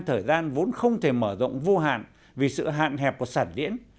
thời gian vốn không thể mở rộng vô hạn vì sự hạn hẹp của sản diễn